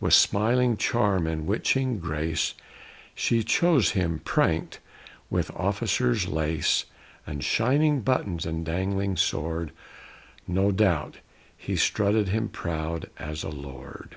With smiling charm and witching grace She chose him pranked with officer's lace And shining buttons and dangling sword; No doubt he strutted him proud as a lord!